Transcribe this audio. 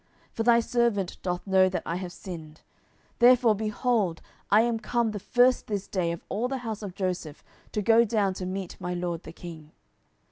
10:019:020 For thy servant doth know that I have sinned: therefore, behold, I am come the first this day of all the house of Joseph to go down to meet my lord the king.